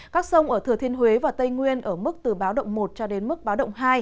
các sông ở thừa thiên huế và tây nguyên ở mức từ báo động một cho đến mức báo động hai